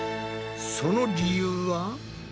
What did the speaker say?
その理由は？